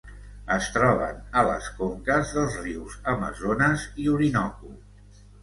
Es troben a les conques dels rius Amazones i Orinoco.